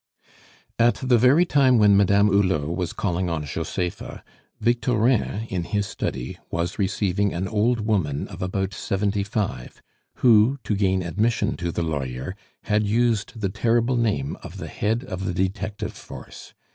At the very time when Madame Hulot was calling on Josepha, Victorin, in his study, was receiving an old woman of about seventy five, who, to gain admission to the lawyer, had used the terrible name of the head of the detective force.